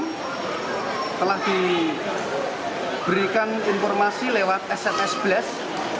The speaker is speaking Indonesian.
semarang telah diberikan informasi lewat sss blast